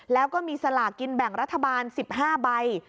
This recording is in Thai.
แล้วก็มีสลากินแบ่งรัฐบาล๑๕ใบ